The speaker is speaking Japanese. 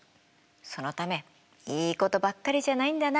そのためいいことばっかりじゃないんだな。